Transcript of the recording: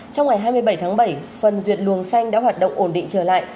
trong ngày hai mươi bảy tháng bảy phần ruột luồng xanh đã hoạt động ổn định trở lại